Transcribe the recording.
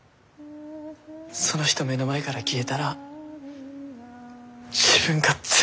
その人目の前から消えたら自分が全部ぶっ壊れる。